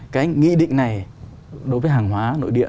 cái này đối với hàng hóa nội địa